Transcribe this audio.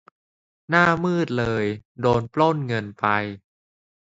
หน้ามืดเลย โดน ปล้นเงินไป